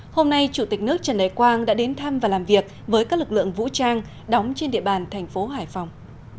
hôm nay chủ tịch nước trần đại quang đã đến thăm và làm việc với các lực lượng vũ trang đóng trên địa bàn thành phố hải phòng